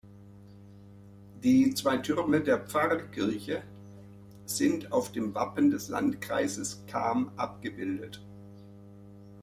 Die zwei Türme der Pfarrkirche sind auf dem Wappen des Landkreises Cham abgebildet.